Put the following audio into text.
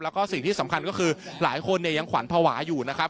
แล้วก็สิ่งที่สำคัญก็คือหลายคนเนี่ยยังขวัญภาวะอยู่นะครับ